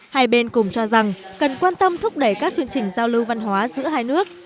hai bên cùng cho rằng cần quan tâm thúc đẩy các chương trình giao lưu văn hóa giữa hai nước